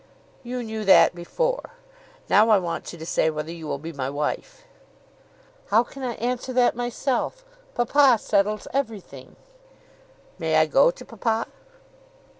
"You knew that before. Now I want you to say whether you will be my wife." "How can I answer that myself? Papa settles everything." "May I go to papa?"